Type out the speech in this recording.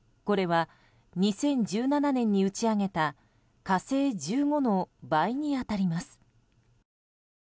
これは２０１７年に打ち上げた「火星１５」の倍に当たります。